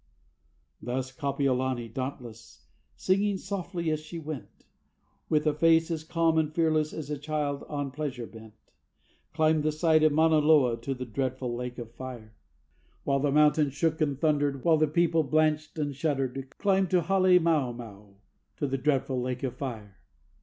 Thus, Kapiolani, dauntless, singing softly as she went, With a face as calm and fearless as a child on pleasure bent, Climbed the side of Mauna Loa, to the dreadful lake of fire, While the mountain shook and thundered, while the people blanched and shuddered, Climbed to Hal├® Mau Mau, to the dreadful lake of fire.